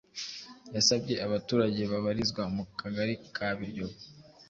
yasabye abaturage babarizwa mu kagari ka Biryogo